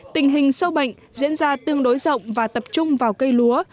tình hình sâu bệnh diễn ra tương đối rộng và tập trung vào cây lúa